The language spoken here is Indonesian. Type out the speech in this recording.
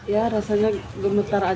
ya rasanya gemetar aja